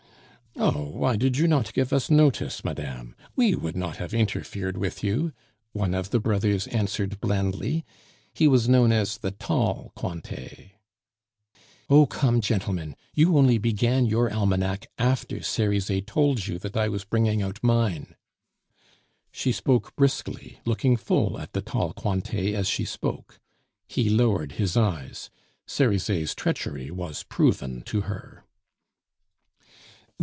"Oh, why did you not give us notice, madame? We would not have interfered with you," one of the brothers answered blandly (he was known as the "tall Cointet"). "Oh, come gentlemen! you only began your almanac after Cerizet told you that I was bringing out mine." She spoke briskly, looking full at "the tall Cointet" as she spoke. He lowered his eyes; Cerizet's treachery was proven to her.